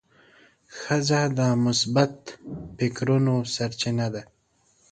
ښځه د مثبت فکرونو سرچینه ده.